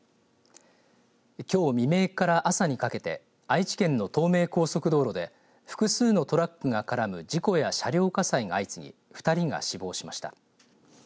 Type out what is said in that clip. きょう未明から朝にかけて愛知県の東名高速道路で複数のトラックが絡む事故や車両火災が相次ぎ２が死亡しました。